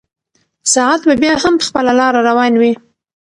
ساعت به بیا هم په خپله لاره روان وي.